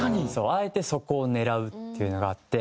あえてそこを狙うっていうのがあって。